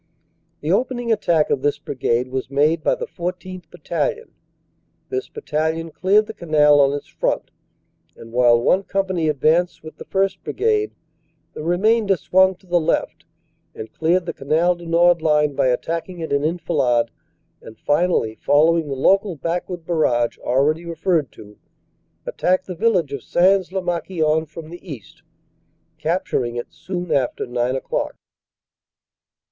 The opening attack of this Brigade was made by the 14th. Battalion. This Battalion cleared the Canal on its front, and while one Company advanced with the 1st. Brigade the remainder swung to the left and cleared the Canal du Nord line by attacking it in enfilade, and finally, following the local backward barrage already referred to, attacked the village of Sains lez Marquion from the east, cap turing it soon after nine o clock.